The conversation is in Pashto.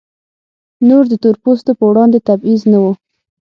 نور د تور پوستو پر وړاندې تبعیض نه و.